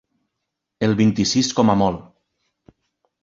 El vint-i-sis com a molt.